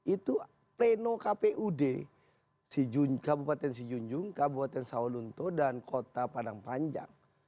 itu pleno kpud kabupaten sijunjung kabupaten sawalunto dan kota padang panjang